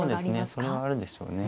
それはあるでしょうね。